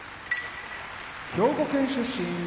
兵庫県出身